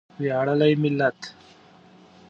ویاړلی ملت.